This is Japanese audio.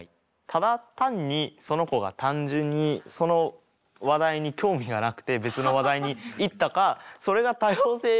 ただ単にその子が単純にその話題に興味がなくて別の話題にいったかそれが多様性